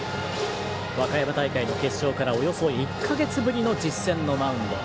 和歌山大会の決勝からおよそ１か月ぶりの実戦のマウンド。